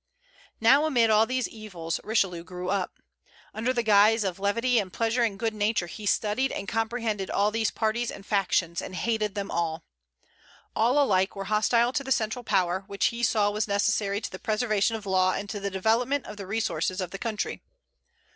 Now amid all these evils Richelieu grew up. Under the guise of levity and pleasure and good nature, he studied and comprehended all these parties and factions, and hated them all. All alike were hostile to the central power, which he saw was necessary to the preservation of law and to the development of the resources of the country.